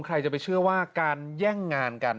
ใครจะไปเชื่อว่าการแย่งงานกัน